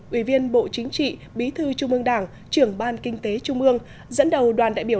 ủy viên bộ chính trị bí thư trung ương đảng trưởng ban kinh tế trung ương dẫn đầu đoàn đại biểu